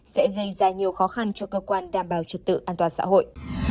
sẽ gây ra nhiều khó khăn cho cơ quan đảm bảo trật tự an toàn xã hội